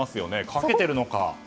かけているのか。